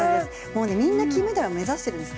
みんな金メダルを目指しているんです。